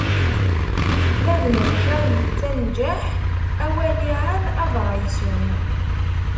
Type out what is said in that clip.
Bab n lxiṛ ittenǧaḥ, a waliɛad abṛaysu.